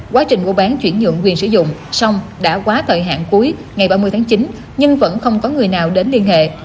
quá trình mua bán chuyển nhượng quyền sử dụng xong đã quá thời hạn cuối ngày ba mươi tháng chín nhưng vẫn không có người nào đến liên hệ